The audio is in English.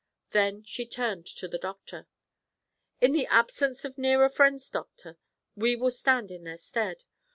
Then she turned to the doctor: 'In the absence of nearer friends, doctor, we will stand in their stead.